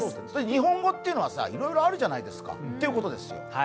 日本語っていうのはいろいろあるじゃないですかっていうことですよ。